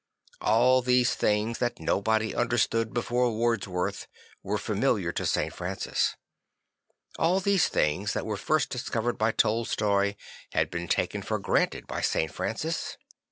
All those things that no bod y understood before Wordsworth were familiar to St. Francis. All those things that were first discovered by Tolstoy had been taken for granted by St. Francis.